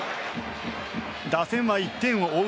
打線は１回を追う